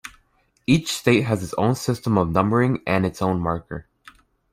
Each state has its own system for numbering and its own marker.